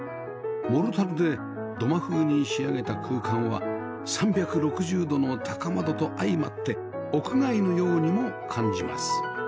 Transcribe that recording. モルタルで土間風に仕上げた空間は３６０度の高窓と相まって屋外のようにも感じます